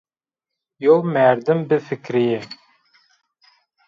Yew merdim bifikirîyê